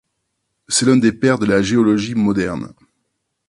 C'est l'un des pères de la géologie moderne.